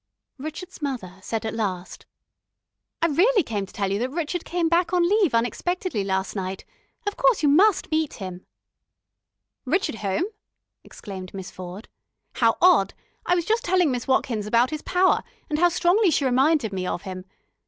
Rrchud's mother said at last: "I really came to tell you that Rrchud came back on leave unexpectedly last night. Of course you must meet him " "Rrchud home!" exclaimed Miss Ford. "How odd! I was just telling Miss Watkins about his Power, and how strongly she reminded me of him.